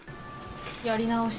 やり直し。